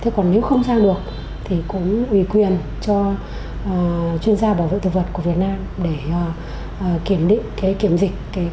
thế còn nếu không sang được thì cũng ủy quyền cho chuyên gia bảo vệ thực vật của việt nam để kiểm định kiểm dịch tại việt nam